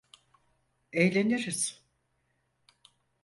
Eğleniriz.